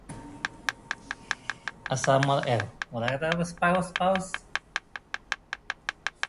This pricing is significantly higher than most other domains, which has discouraged its use.